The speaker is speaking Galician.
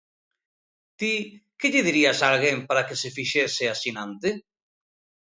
Ti, que lle dirías a alguén para que se fixese asinante?